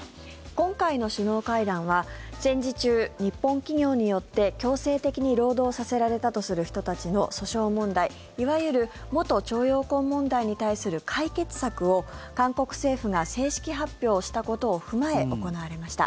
今回の首脳会談は戦時中、日本企業によって強制的に労働させられたとする人たちの訴訟問題いわゆる元徴用工問題に対する解決策を韓国政府が正式発表したことを踏まえ、行われました。